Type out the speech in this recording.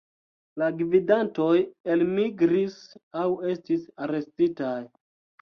La gvidantoj elmigris aŭ estis arestitaj.